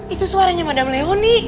itu suaranya madame leoni